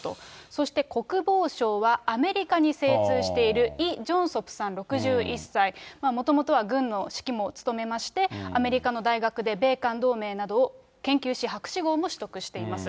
そして国防相はアメリカに精通しているイ・ジョンソプさん６１歳、もともとは軍の指揮も務めまして、アメリカの大学で米韓同盟などを研究し、博士号も取得しています。